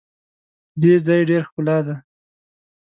د دې ځای ډېر ښکلا دي.